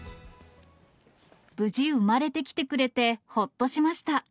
無事産まれてきてくれて、ほっとしました。